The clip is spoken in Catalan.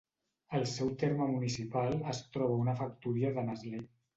Al seu terme municipal es troba una factoria de Nestlé.